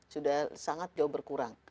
sudah sangat jauh berkurang